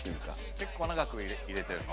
結構長く入れてるの？